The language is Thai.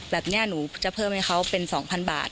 แบบนี้หนูจะเพิ่มให้เขาเป็น๒๐๐บาท